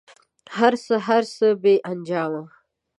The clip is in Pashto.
هر څه، هر څه بې انجامه